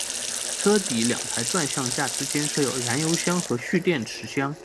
车底两台转向架之间设有燃油箱和蓄电池箱。